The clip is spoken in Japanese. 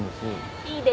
いいですよ。